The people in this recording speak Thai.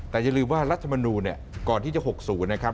แต่อย่าลืมว่ารัฐมนูลเนี่ยก่อนที่จะ๖๐นะครับ